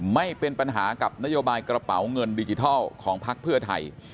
ไม่เป็นปัญหากับนโยบายกระเป๋าเงินดิจิทัลของพักเพื่อไทย